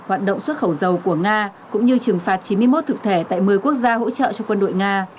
hoạt động xuất khẩu dầu của nga cũng như trừng phạt chín mươi một thực thể tại một mươi quốc gia hỗ trợ cho quân đội nga